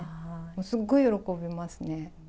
すごい喜びますね。